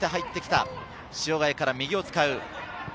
塩貝から右を使う。